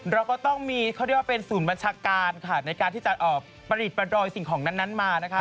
เราก็ต้องมีเขาเรียกว่าเป็นศูนย์บัญชาการค่ะในการที่จะประดิษฐประดอยสิ่งของนั้นมานะคะ